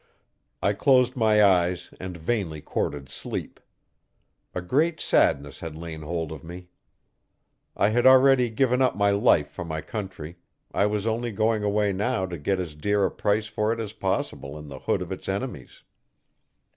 I closed my eyes and vainly courted sleep. A great sadness had lain hold of me. I had already given up my life for my country I was only going away now to get as dear a price for it as possible in the hood of its enemies.